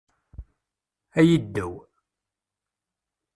Ay iddew!